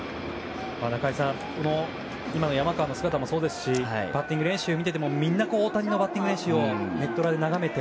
中居さん、今の山川の姿もそうですしバッティング練習を見ていてもみんな大谷の練習をネット裏で眺めて。